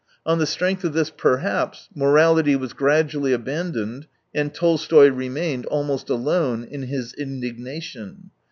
... On the strength of this " perhaps " morality was gradually abandoned, and Tolstoy remained almost alone in his indignation.